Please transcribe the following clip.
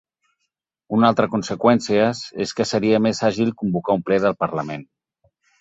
Una altra conseqüències és que seria més àgil convocar un ple del parlament.